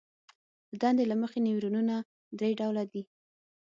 د دندې له مخې نیورونونه درې ډوله دي.